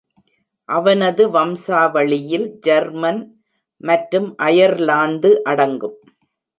அவனது வம்சாவளியில் ஜெர்மன் மற்றும் அயர்லாந்து அடங்கும்.